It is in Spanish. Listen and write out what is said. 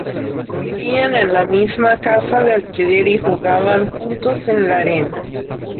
Vivían en la misma casa de alquiler y jugaban juntos en la arena.